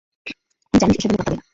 তুই জানিস এসবে আমি পাত্তা দেই না?